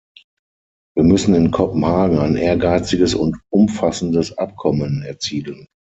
Wir müssen in Kopenhagen ein ehrgeiziges und umfassendes Abkommen erzielen.